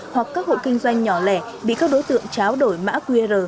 hoặc các hộ kinh doanh nhỏ lẻ bị các đối tượng tráo đổi mã qr